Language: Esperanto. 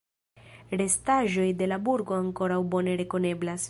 Restaĵoj de la burgo ankoraŭ bone rekoneblas.